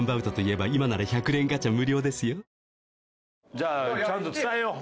じゃあちゃんと伝えよう。